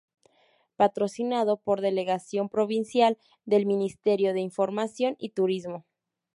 Patrocinado por Delegación Provincial del Ministerio de Información y Turismo.